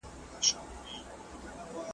رسمي غونډې نظم ته اړتیا لري.